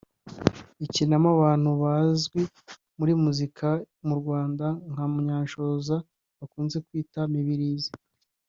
ikinamo abantu bazwi muri muzika yo mu Rwanda nka Munyanshoza bakunze kwita Mibilizi